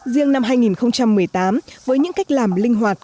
riêng năm hai nghìn một mươi tám với những cách làm linh hoạt